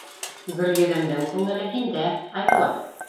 — Гөлйөҙөмдөң күңеле һиндә, Айбулат.